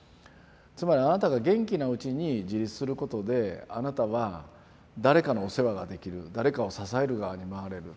つまりあなたが元気なうちに自立することであなたは誰かのお世話ができる誰かを支える側に回れる。